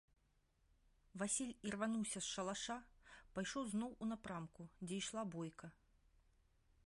Васіль ірвануўся з шалаша, пайшоў зноў у напрамку, дзе ішла бойка.